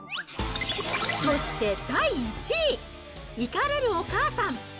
そして第１位、怒れるお母さん！